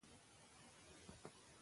ماشومان باید خپل پام له ګډوډۍ وساتي.